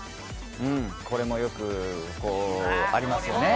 うんこれもよくこうありますよね